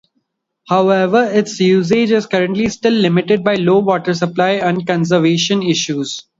However its usage is currently still limited by low water supply and conservation issues.